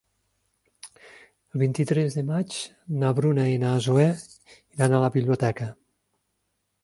El vint-i-tres de maig na Bruna i na Zoè iran a la biblioteca.